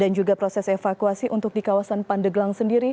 dan juga proses evakuasi untuk di kawasan pandeglang